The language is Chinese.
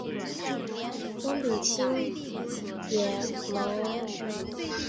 光柄野青茅为禾本科野青茅属下的一个种。